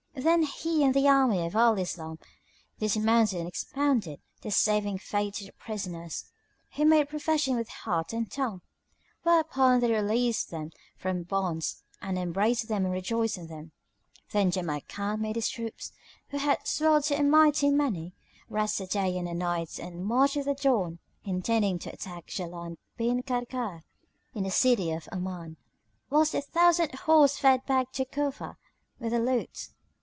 Then he and the army of Al Islam dismounted and expounded The saving Faith to the prisoners, who made profession with heart and tongue; whereupon they released them from bonds and embraced them and rejoiced in them. Then Jamrkan made his troops, who had swelled to a mighty many, rest a day and a night and marched with the dawn, intending to attack Jaland bin Karkar in the city of Oman; whilst the thousand horse fared back to Cufa with the loot.